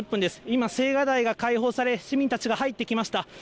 今、青瓦台が開放され、市民たちが入ってきました。